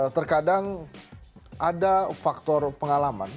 terkadang ada faktor pengalaman